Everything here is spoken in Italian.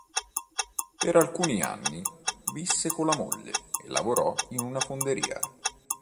Per alcuni anni visse con la moglie e lavorò in una fonderia.